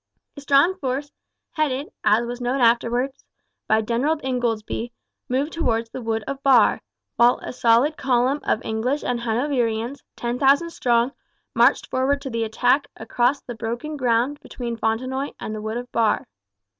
A strong force, headed, as was known afterwards, by General Ingoldsby, moved towards the wood of Barre; while a solid column of English and Hanoverians, 10,000 strong, marched forward to the attack across the broken ground between Fontenoy and the wood of Barre.